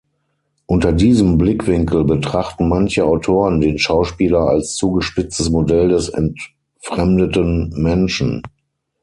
Unter diesem Blickwinkel betrachten manche Autoren den Schauspieler als zugespitztes Modell des entfremdeten Menschen.